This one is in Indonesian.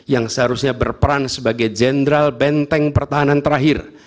yang seharusnya berperan sebagai jenderal benteng pertahanan terakhir